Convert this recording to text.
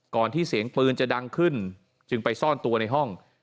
ที่เสียงปืนจะดังขึ้นจึงไปซ่อนตัวในห้อง